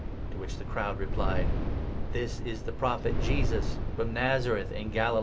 to which the crowd replied — n "This is the Prophet Jesus from Nazareth in Galilee."